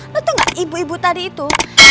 lu tau gak ibu ibu tadi itu